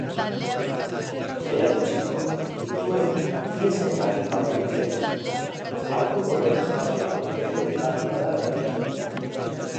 Erakutsiko dituen piezengatik bakarrik ez, hartuko duen espazioagatik ere deigarria da erakusketa.